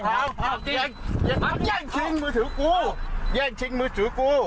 แย่งชิงมือถือกูแย่งชิงมือถือกู